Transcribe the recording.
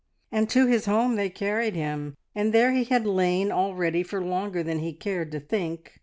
And to his home they carried him, and there he had lain already for longer than he cared to think.